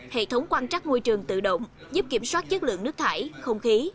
hệ thống quan trắc môi trường tự động giúp kiểm soát chất lượng nước thải không khí